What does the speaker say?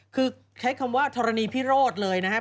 คือใช้คำว่าธรณีพิโรธเลยนะครับ